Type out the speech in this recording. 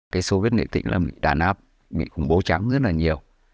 cái soviet nghệ tính là bị đàn áp bị khủng bố chẳng rất là nhiều